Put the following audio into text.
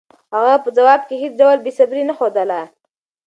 هغه په ځواب کې هېڅ ډول بېصبري نه ښودله.